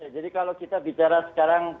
jadi kalau kita bicara sekarang